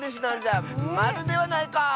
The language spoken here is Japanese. マルではないか！